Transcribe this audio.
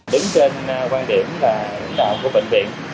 đứng trên quan điểm là lạng của bệnh viện